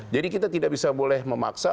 jadi kita tidak bisa boleh memaksa